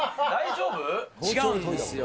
違うんですよ。